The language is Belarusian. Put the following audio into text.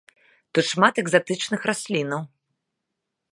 Тут шмат экзатычных раслінаў.